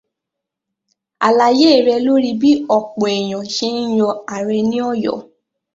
Àlàyé rèé lórí bí ọ̀pọ̀ èèyàn ṣe ń yan ààrẹ ní Ọ̀yọ́.